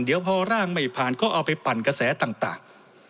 เดี๋ยวพอร่างไม่ผ่านก็เอาไปปั่นกระแสต่าง